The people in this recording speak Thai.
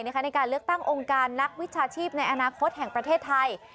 ในการเลือกตั้งองค์การนักวิชาชีพในอนาคตแห่งประเทศไทย